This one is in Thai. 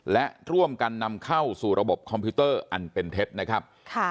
และร่วมกันนำเข้าสู่ระบบคอมพิวเตอร์อันเป็นเท็จนะครับ